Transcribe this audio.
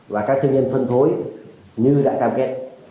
và các thương nhân phân phối như đã cam kết